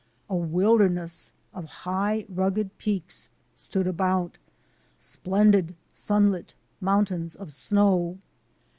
A wilder ness of high, rugged peaks stood about — splendid sunlit mountains of snow.